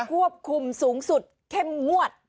ควบคุมสูงสุดเข้มงวด